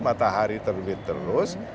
matahari terbit terus